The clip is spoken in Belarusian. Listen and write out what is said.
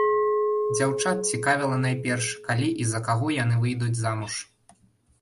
Дзяўчат цікавіла найперш, калі і за каго яны выйдуць замуж.